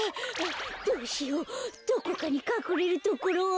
どうしようどこかにかくれるところは。